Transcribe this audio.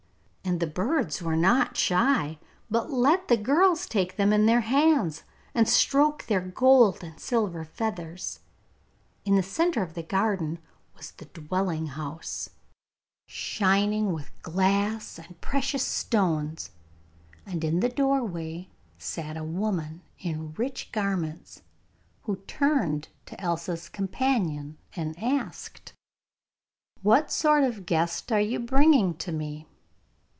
And the birds were not shy, but let the girls take them in their hands, and stroke their gold and silver feathers. In the centre of the garden was the dwelling house, shining with glass and precious stones, and in the doorway sat a woman in rich garments, who turned to Elsa's companion and asked: 'What sort of a guest are you bringing to me?